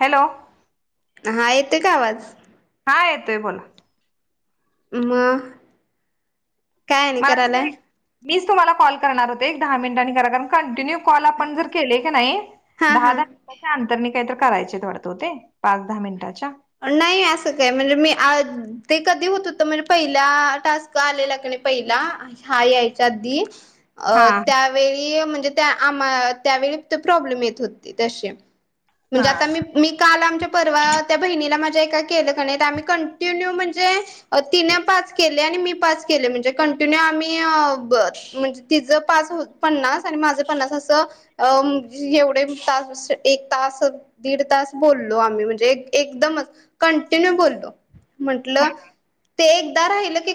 Hello. हा येतोय का आवाज? हा येतोय बोला. म मला म्हणली मीच तुम्हाला कॉल करणार होते एक दहा मिनिटांनी करा कारण कंटिन्यू कॉल आपण जर केले की नाही. हा हा दहा-दहा मिनिटाच्या अंतरने काही तर करायचे आहेत वाटत ओ ते पाच, दहा मिनिटाच्या. नाही असं काय म्हणजे मी आज ते कधी होत होत म्हणजे पहिला टास्क आलेला क नाही पहिला हा यायच्या आधी अ हा त्या व म्हणजे त्या आम्हा त्यावेळी फक्त प्रॉब्लेम येत होते तसे. म्हणजे हा आता मी मी काल आमच्या परर्वात त्या बहिणीला माझ्या एका केलं क नाही आम्ही कंटिन्यू म्हणजे तिने पाच केले आणि मी पाच केले म्हणजे कंटिन्यू आम्ही अ ब म्हणजे तिचं पाच हो पन्नास आणि माझं पन्नास असं अ एवढे तास, एक तास, दीड तास बोललो आम्ही म्हणजे एक एकदमच कंटिन्यू बोललो म्हंटलं ते एकदा राहिलं की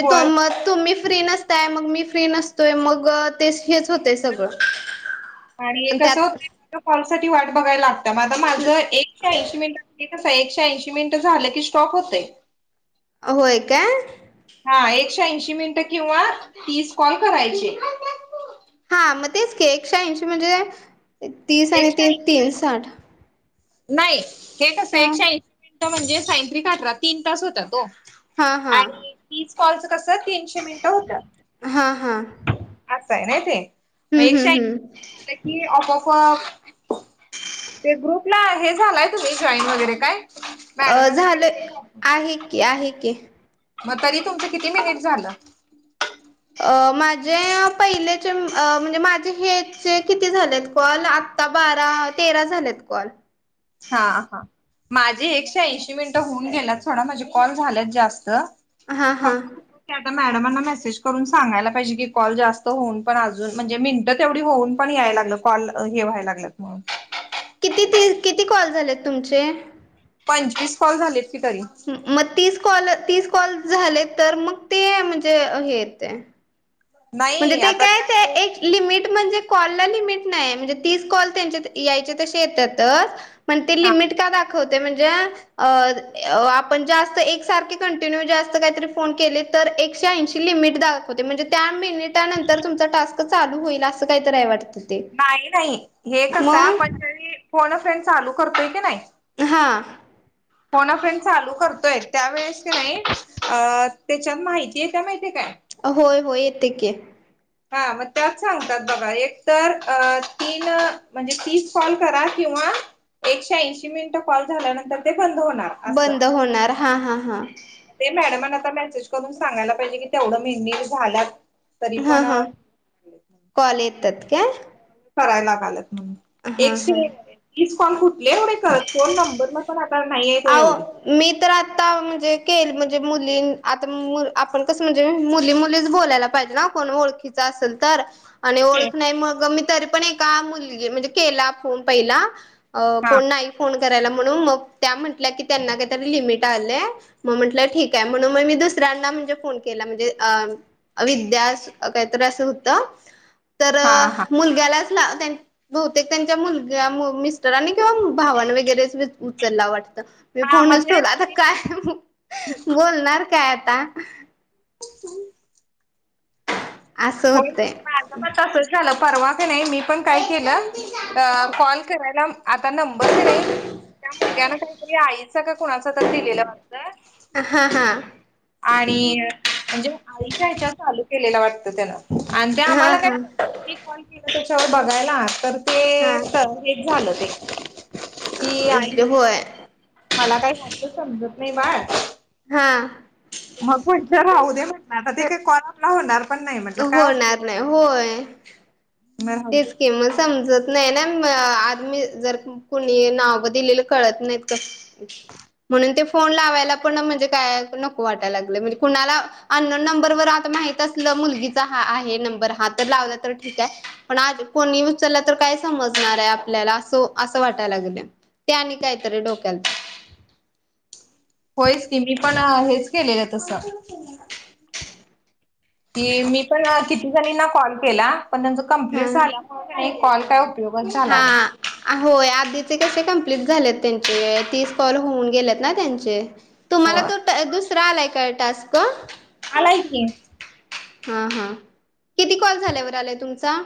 होय फ्री नसताय मग मी फ्री नसतोय मग ते हेच होतय सगळं. आणि एक कस होतंय मला तर कॉल साठी वाट बघायला लागतीया. म आता माझं एकशे ऐंशी मिनिटांसाठी कसं हाय एकशे ऐंशी मिनिटं झाल की स्टॉप होतय. होय काय? हा एकशे ऐंशी मिनटं किंवा तीस कॉल करायचे हा मग तेच घ एकशहा ंशी म्हणजे तीस आणि एकशे ऐं तीन तीन साठ नाही हे कसं हा एक शे ऐंशी मिनिटं म्हणजे सायंत्रीिक खठरा तीन तास होता तो हा हा तीज कॉलचं कसं तीनशे मिनिटं हा हा अस आहे नाही ते मग हम्म एक शा हम्म हम्म झा कि ऑफऑफ ते ग्रुपला हे झालाय तुम्ही जॉईन वगैरे काय अ मॅडमांनी ते झालं ते पाठवलं. आहे की आहे की मग तरी तुमचं किती मेनट झालं अ माझे पहिलेचे म्हणजे माझे हेचे किती झालेत कॉल आता बारा तेरा झालेत कॉल हा हा माझी एकशे ऐंशी मिनिटं होऊन गेलात थोडा माझे कॉल झालेत जास्त हा ह हा ते आता मॅडमांना मेसेज करून सांगायला पाहिजे की कॉल जास्त होऊन पण अजून म्हणजे मिनटं तेवढी होऊन पण यायला लागलं कॉल हे व्हायला लागलंत म्हणून किती ती किती कॉल झालेत तुमचे पंचवीस फॉल झालेत की तरी मग तीस कॉल तीस कॉल झाले तर मग ते म्हणजे हे येते म्हणजे नाही ते आता त्यात कायच एक लिमिट म्हणजे कॉलला लिमिट नाही म्हणजे तीस कॉल त्यांच्या यायचे तसे येतातच मण ते हा लिमिट का दाखवते म्हणजे अ आपण जास्त एक सारखे कंटिन्यू जास्त काहीतरी फोन केले तर एकशे ऐंशी लिमिट दाख होते म्हणजे त्या मिनिट नंतर तुमचा टास्क चालू होईल असं काहीतरी आहे वाटतं ते. नाही नाही हे कसं आहे आपण मग त्यारी पूर्ण फ्रेंड चालू करतोय की नाही हां फोन फ्रेंड चालू करतोय त्यावेेळेस की नाही अ त्याच्यात माहिती आहेेत माहितीे काय अ होय होय येतक हा मग त्यात सांगतात बघा एक तर तीन म्हणजे तीस कॉल करा किंवा एकशे ऐंशी मिनिटं कॉल झाल्यानंतर ते बंद होणार असं बंद होणार हा हा हा ते मॅडमने आता मेसेज करून सांगायला पाहिजे की तेवढं मेह झालात हां हां कॉल येतात का करायलागालत म्हणून एक स हा हीच कॉन कुठली आहे एवढे कर फोन नंबर मग पण आता नाही आहे तो एवढ अहो मी तर आता म्हणजे केल म्हणजे मुली आता आपण कस म्हणजे मुली मुलीच बोलायला पाहिजे ना कोण ओळखीचा असेल. तर आणि ओळख हा नाही म मी तरी पण एका मुलगी म्हणजे केला फोन पहिला अ कोण नाही फोन करायला म्हणून मग त्या म्हटल्या की त्यांना काहीतरी लिमिट आलंय मग म्हंटलंय ठीक आहे म्हणून मग मी दुसऱ्यांना म्हणजे फोन केला. म्हणजे अ विद्या काहीतरी असं होत. तर हा हा मुलग त्यालाच ला बहुतेक त्यांच्या मुलग्या मिस्टरानी किंवा भावन वगैरे अस उचलला वाटतं. मी हा मग फोनच ठेवला आता ते काय बोलणार काय आता. ह असं होय होतंय. माझंपण तसच झालं, परवा का नाही मीपण काय केलं अ कॉल करायला आता नंबर नाही त्या मुलग्याना काहीतरी आईच का कुणाच तर दिलेला हा वाटत. हा आणि म्हणजे आईच्या हच्या चालू केलेला. वाटतं त्यानं आणि ते हा आम्हाला काय हा कत मी कॉल केला त्याच्यावर बघायला तर हा ते झालं ते. ती आई होय [unintelligible] मला काही यातलं समजत नाही बाळ. हा. मग पुढचं राहूदे म्हटलं आता ते काय कॉल आपला होणार पण नाही म्हटलं, काय होणार उपयोग. नाही होय. तेच की होयच मग समजत नाही ना. आज मी जर कुणी नाव ब दिलेलं कळत नाहीत कस ते. [inaudible] म्हणून ते फोन लावायला पण म्हणजे काय नको वाटाय लागलंय. म्हणजे कुणाला अननोन नंबरवर आता माहि त असलं, मुलगीचा हा आहे नंबर हा तर लावला तर ठीक आहे. पण आज कोणीही उचलला तर काय समजणार आहे आपल्याला, अस असं वाटाय लागलंय. ते आणि काहीतरी डोक्याला होयच की, मीपण हेच केलेलं तसं. की मीपण किती जणींना कॉल केला, पण त्यांच कम्प्लीट झाल्यामुळं का नाही कॉल काय उपयोगच झाला नाही हा. होय आधीचे कसे कम्प्लीट झालेत त्यांचे. तीस कॉल होऊन गेलेत ना त्यांचे. तुम्हाला होय. तो दुसरा आलाय काय टास्क? आलाय की. हा हा, किती कॉल झाल्यावर आलाय तुमचा?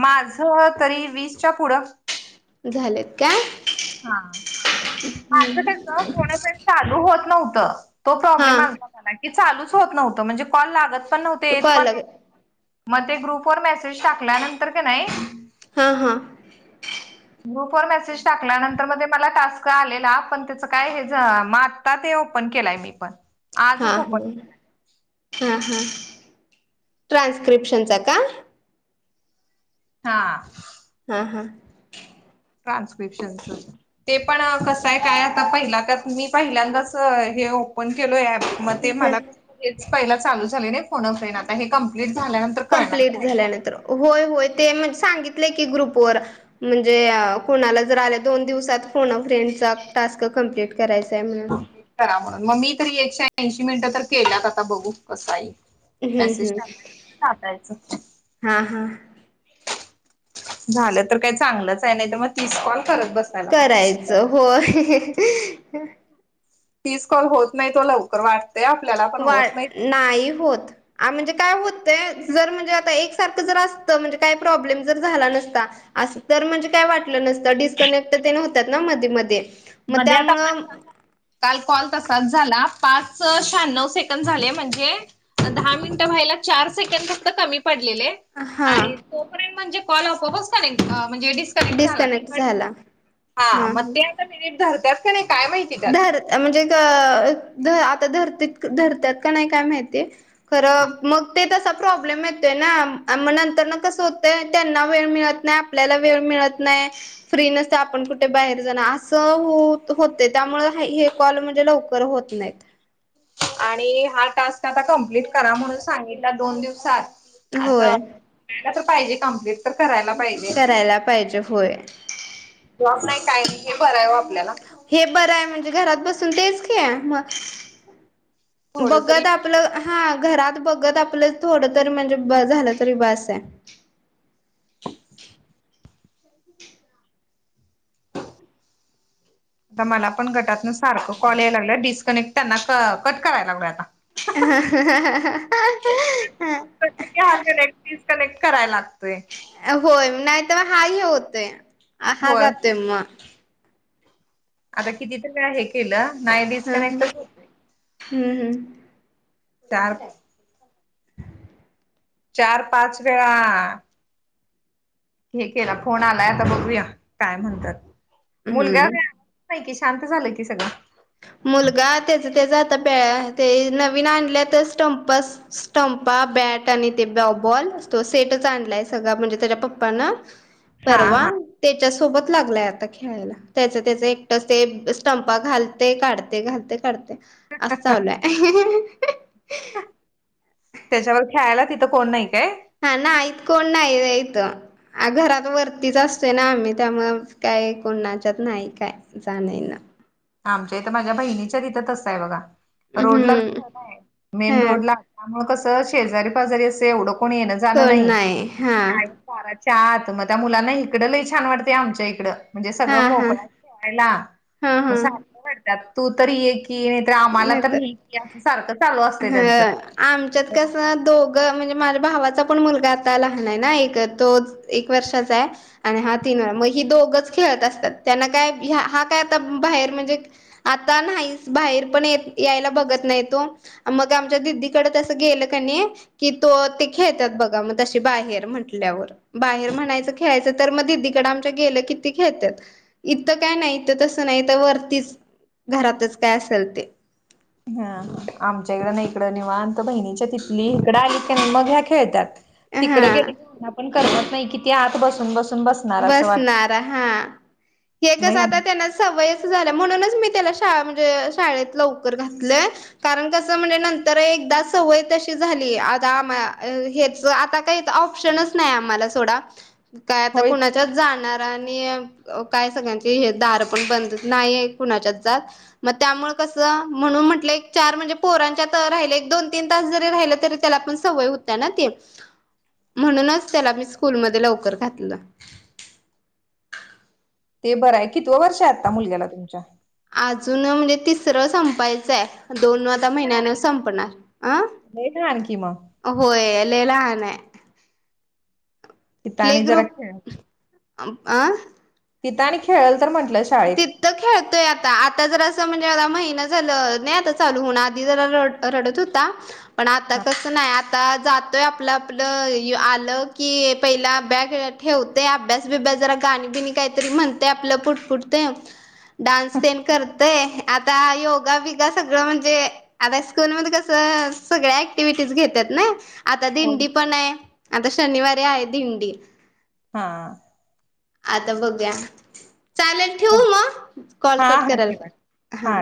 माझं तरी वीसच्या पुढं. झालेत काय? हा माझं कसं कोणाच [inaudible] चालू होत नव्हतं. तो प्रॉब्लेम हा आलता मला की, चालूच होत नव्हतं, म्हणजे कॉल लागत पण नव्हते येत पण कॉल नव्हते. मग ते ग्रुपवर मेसेज टाकल्यानंतर का नाही हां हां. ग्रुपवर मेसेज टाक ल्यानंतर मग ते मला टास्क आलेला, पण त्याच काय हे म आता ते ओपन केलाय मीपण. हां हां. हां हां, ट्रान्स्क्रिप्शनचा का? हा. हा हा. ट्रान्स्क्रिप्शनचं. ते पण कसंय काय, आता पहिला त्यात मी पहिल्यांदाच हे ओपन केलोय ॲप. मग ते मला तेच पहिला चालू झालेले फोन अ फ्रेंड आता हे कमप्लीट झाल्यानं कंप्लीट झाल्यानंतर. होय होय, ते म्हणजे सांगितलंय की ग्रुपवर. म्हणजे कोणाला जर आल्या दोन दिवसात फोन अ फ्रेंडचा टास्क कंप्लीट करायचाय म्हणून. करा म्हणून. मग मी तरी एकशे ऐंशी मिनिटं तर केल्यात, आता बघू कस हाय. हम्म मेसेज हम्म टाकायचं तसं टाकायचं. हा हा झालं तर काही चांगलंच हाय, नाहीतर मग तीस कॉल करत बस करायचं होय. तीस कॉल होत नाहीत ओ लवकर वाट ते आपल्याला पण वा होत नाही होत. ह म्हणजे काय होतय जर म्हणजे आता एकसारखं जर असतं म्हणजे काय प्रॉब्लेम जर झाला नसता असं तर म्हणजे काय वाटलं नसतं डिस्कनेक्ट त्या होतात ना मध्ये मध्ये मग मध्ये आता त्यामुळं [unintelligible] काल कॉल तसाच झाला, पाच शहाण्णव सेकंद झाले. म्हणजे दहा मिनिटं व्हायला, चार सेकंड फक्त कमी पडलेले हा आणि तोपर्यंत म्हणजे कॉल आपोआपच कनेक्ट म्हणजे डिस डिस्कनेक्ट झाला ह हा. मग हा. ते आता पर धरत का नाही काय माहिती. त्यात धर म्हणजे आता धर्तीत धरत्यात का नाही काय माहितीय. खरं मग ते तस. प्रॉब्लेम येतोय ना मग नंतर ना कसं होतंय त्यांना वेळ मिळत नाही आपल्याला वेळ मिळत नाही. फ्री नसते आपण कुठे बाहेर जाण असं होत होत. त्यामुळे हे कॉल म्हणजे लवकर होत नाहीत. आणि हा टास्क आता कम्प्लीट करा म्हणून सांगितला दोन दिवसात आता होय तस पाहिजे कंप्लीट तर करायला. पाहिजे. करायला पाहिजे होय. जॉब नाही काय नाही हे बराय वं आपल्याला हे बरं आहे म्हणजे घरात बसून तेच घे म थोड बघ तरी आप आपलं हा घरात बघत आपलं थोड तरी म्हणजे ब झालं तरी बस आहे. आता मला पण गटातन सारखं कॉल यायला लागल्यांत डिस्कनेक्ट, त्यांना कट करायला लागलोय आता. ह ह. प्रत हाट डिस्कनेक्ट करायला लागतोय. होय नाही तर मग हा ह होतय हा होय जातोय मग. आता किती तर वेळ हे केलं नाही ह डिस्कनेक्ट हम्म हम्म. चार चार पाच वेळा. हे केलं फोन आलाय आता बघूया काय म्हणतात, मुलगा हम्म का? नाही की शांत झालं की सगळं मुलगा त्याच तेचा आता प्याळ ते नवीन आणल्या तर स्टम्पस. स्टंपा बॅट आणि ते ब बॉल अस तो सेटच आणलाय सगळं म्हणजे त्याच्या पप्पान हा परवा हा त्याच्या सोबत लागलाय आता खेळायला त्याच त्याच एकट ते स्टंपा घाल ते काढते घालते काढते अस चालय. त्याच्यावर खेळायला तिथं कोण नाही काय? ह नाईत कोण नायत इथं आ घरात वरतीच असते ना आम्ही त्यामुळं काय कोणाच्यात नाही काय जान येन आमच्या इथ माझ्या बहिणीच्या तिथ असतंय बघा. रोडला हम्म हा मेन रोडला म कसं शेजारी पाजारी असं एवढं कोणी येण्या जाण कोण नाही हा आत मग त्या मुलांना इकडं लइ छान वाटते, आमच्या इकडं म्हणजे हा सगळं हा मोकळा खेळायला हा हा मग सारखं वाटतात तू तरी ये की ये तर आमाला तर नाहीतर नेह अस सारखं चालू असते त्यांचं ह दो मु म्हणजे माझ्या भावाचा पण मुलगा आता लहान आहे ना एक तो एक वर्षाचा आहे. आणि हा तीन वळा मग ही दोघच खेळत असतात त्यांना काय हा काय आता बाहेर म्हणजे आता नाही बाहेर पण यायला बघत नाही तो मग आमच्या दिदीकडे तसं गेलं कनी कि तो ते खेळतात बघा मग तशी बाहेर म्हटल्यावर. बाहेर म्हणायचं खेळायचं तर मग दिदीकडे आमच्या गेलं किती खेळत. इथं काय नाही इथं तस नाही तर वरतीच घरातच काय असेल ते. हा आमच्या इकडं नाही इकडं निवा तर बहिणीच्या तिथली इकडं आली का नाही मग ह्या खेळतात. तिकडे हा गेलं पण करत नाही कि ती आत बसून बसून बस बसणार हा हे मग कच आता ह्यांना त्यांना सवय अस झाल्या म्हणूनच मी त्याला श म्हणजे शाळेत लवकर घातलय कारण कसं म्हणजे नंतर एकदा सवय त अशी झाली आता हेच आता काही ऑप्शनच नाही आम्हाला सोडा काय आता होय कुणाच्या जाणार आणि काय सगळ्यांचे हे दार पण बंद नाहीये कुणाच्याच जात मग त्यामुळे कसं म्हणून म्हटलं एक चार म्हणजे पोरांच्यात राहिले एक दोन तीन तास जरी राहिले तरी त्याला पण सवय होत ना ते म्हणूनच त्याला मी स्कूलमध्ये लवकर घातलं ते बरं आहे कितवं वर्ष आता मुलग्याला तुमच्या अजून म्हणजे तिसरं संपायचंय दोन वाता लई लहान महिन्यानं आहे की संपणार अ लई लहान की मग होय ल लहान आहे तिथं प्ले आणि जरा ग्रूप खेळ आ तिथं आणि खेळल तर म्हटलं शाळ खेळतोय आता आता जर असं म्हणजे आता महिना झालं नाही आता चालूून आधी जरा रडत होता पण आता हा कस नाही आता जातोय आपलं आपलं आलं की पहिला अभ्यास ठेवते अभ्यास बभ्यास जरा गाणी गिणी काही म्हणते आपलं पुुठपुठ ते डान्स ते कर ते आता योगा बिगा सगळं म्हणजे आता स्कूल मध्ये कस सगळ्या ऍक्टिव्हटीज घेतात ना आता हो दिंडी पण आहे आता शनिवारी आहे दिंडी हा आता बघया चालेल ठेवू मग हा कॉलकट हा कराल ठेवा हा ठेवा